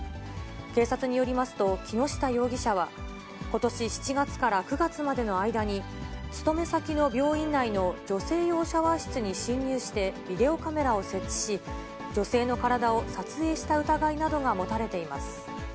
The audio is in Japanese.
警察によりますと、木下容疑者は、ことし７月から９月までの間に、勤め先の病院内の女性用シャワー室に侵入して、ビデオカメラを設置し、女性の体を撮影した疑いなどが持たれています。